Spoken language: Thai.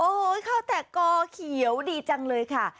โอ้โหข้าวแตกกอเขียวดีจังเลยค่ะ